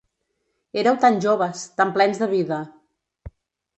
Éreu tan joves, tan plens de vida.